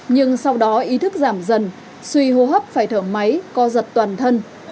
nhưng sau đó ý thức giảm dần suy hô hấp phải thở máy co giật toàn thân